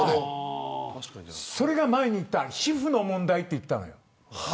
それが前に言った皮膚の問題と言ったのよ。